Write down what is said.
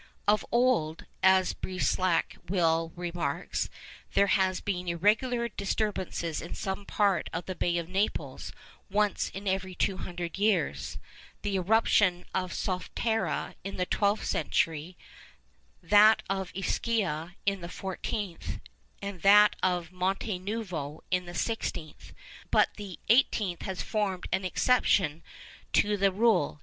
Of old, as Brieslak well remarks, there had been irregular disturbances in some part of the Bay of Naples once in every two hundred years:—the eruption of Solfatara in the twelfth century, that of Ischia in the fourteenth, and that of Monte Nuovo in the sixteenth; but 'the eighteenth has formed an exception to the rule.